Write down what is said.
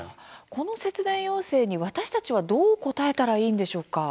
この節電要請に私たちはどう応えたらいいんでしょうか。